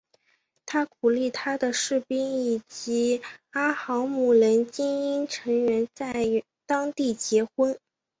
他鼓励他的士兵以及阿豪姆人精英成员在当地结婚。